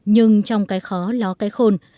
nhưng trong cái khó ló cái khôn